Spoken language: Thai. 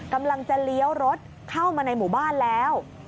กำลังจะเลี้ยวรถเข้ามาในหมู่บ้านแล้ว